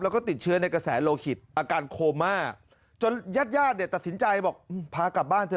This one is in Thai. แล้วก็ติดเชื้อในกระแสโลหิตอาการโคม่าจนญาติญาติเนี่ยตัดสินใจบอกพากลับบ้านเถอ